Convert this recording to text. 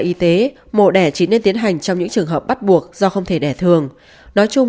y tế mổ đẻ chỉ nên tiến hành trong những trường hợp bắt buộc do không thể đẻ thường nói chung